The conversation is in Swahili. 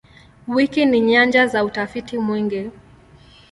Wiki ni nyanja za utafiti mwingi.